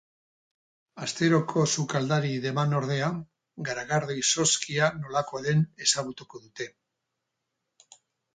Asteroko sukaldari deman ordea, garagardo izozkia nolakoa den ezagutuko dute.